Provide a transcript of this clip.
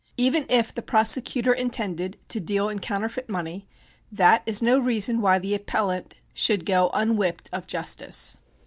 Even if the prosecutor intended to deal in counterfeit money, that is no reason why the appellant should go unwhipped of justice.